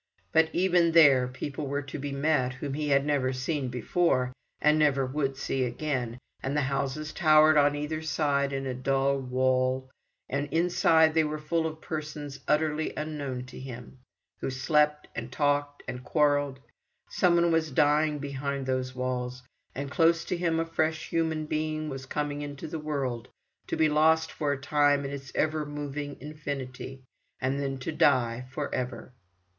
But even there people were to be met, whom he had never seen before, and never would see again; and the houses towered on either side in a dull wall, and inside they were full of persons utterly unknown to him, who slept, and talked and quarrelled: some one was dying behind those walls, and close to him a fresh human being was coming into the world, to be lost for a time in its ever moving infinity, and then to die for ever.